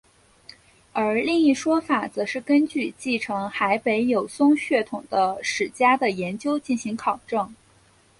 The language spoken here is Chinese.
而另一说法则是根据继承海北友松血统的史家的研究进行考证。